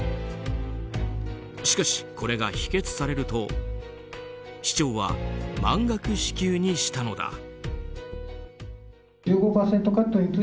しかし、これが否決されると市長は満額支給にしたのだ。